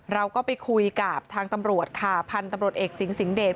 เราก็ไปคุยกับทางตำรวจค่ะพันธุ์ตำรวจเอกสิงสิงหเดช